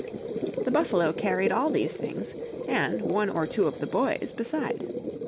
The buffalo carried all these things, and one or two of the boys beside.